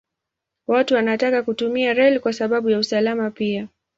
Watu wanataka kutumia reli kwa sababu ya usalama pia.